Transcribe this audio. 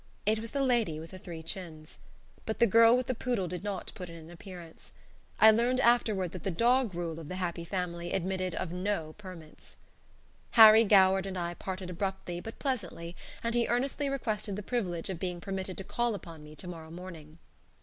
It was the lady with the three chins. But the girl with the poodle did not put in an appearance. I learned afterward that the dog rule of "The Happy Family" admitted of no permits. Harry Goward and I parted abruptly but pleasantly, and he earnestly requested the privilege of being permitted to call upon me to morrow morning.